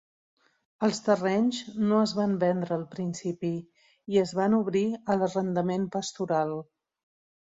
Els terrenys no es van vendre al principi i es van obrir a l'arrendament pastoral.